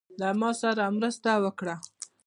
له ماسره مرسته وکړه.